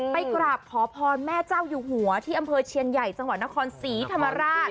ไปกราบขอพรแม่เจ้าอยู่หัวที่อำเภอเชียนใหญ่จังหวัดนครศรีธรรมราช